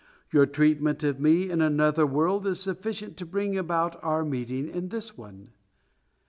Your treatment of me in another world is sufficient to bring about our meeting in this one."